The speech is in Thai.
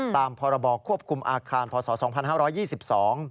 ตามพรบควบคุมอาคารพศ๒๕๒๒